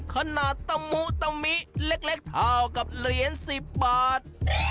ขนาดตะหมูตะมิเล็กเท่ากับเหรียญสิบบาท